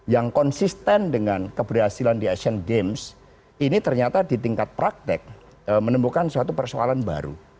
yang konsisten dengan keberhasilan di asian games ini ternyata di tingkat praktek menemukan suatu persoalan baru